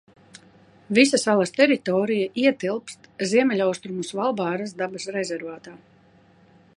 Visa salas teritorija ietilpst Ziemeļaustrumu Svalbāras dabas rezervātā.